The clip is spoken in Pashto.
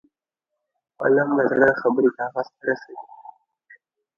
قلم له زړه خبرې کاغذ ته رسوي